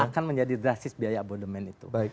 akan menjadi drastis biaya abodemen itu